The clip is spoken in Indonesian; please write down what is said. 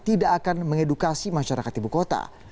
tidak akan mengedukasi masyarakat ibu kota